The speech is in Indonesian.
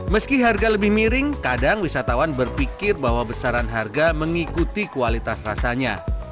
meski harga lebih miring kadang wisatawan berpikir bahwa besaran harga mengikuti kualitas rasanya